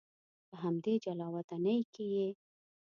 په همدې جلا وطنۍ کې یې.